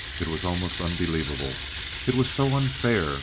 It was almost unbelievable. It was so unfair.